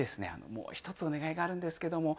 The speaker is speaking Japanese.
もう一つお願いがあるんですけども。